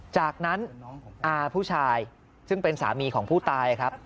จากนั้นอาผู้ชายซึ่งเป็นสามีของผู้ตายครับ